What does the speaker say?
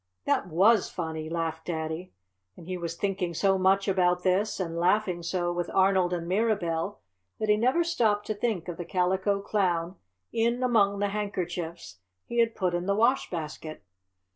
"That WAS funny!" laughed Daddy. And he was thinking so much about this and laughing so with Arnold and Mirabell that he never stopped to think of the Calico Clown in among the handkerchiefs he had put in the wash basket.